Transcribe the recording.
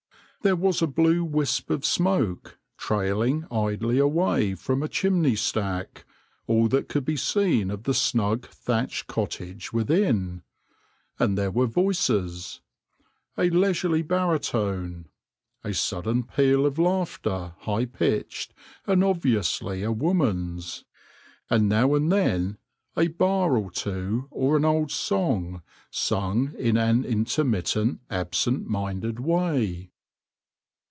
There was a blue wisp of smoke trailing idly away from a chimney stack, all that could be seen of the snug thatched cottage within ; and there were voices, a leisurely baritone, a sudden peal of laughter high pitched and obviously a woman's, and now and then a bar or two or an old song sung in an intermittent, absent minded way.